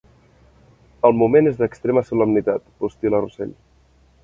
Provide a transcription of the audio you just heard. El moment és d'extrema solemnitat —postil·la Russell—.